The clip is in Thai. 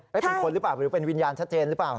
เป็นคนหรือเปล่าหรือเป็นวิญญาณชัดเจนหรือเปล่า